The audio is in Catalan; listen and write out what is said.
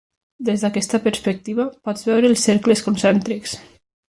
Des d'aquesta perspectiva, pots veure els cercles concèntrics.